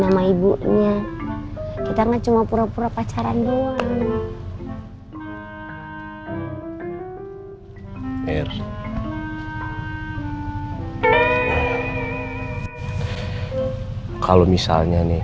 sama ibunya kita enggak cuma pura pura pacaran doang mir kalau misalnya nih